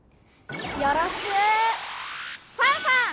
よろしくファンファン！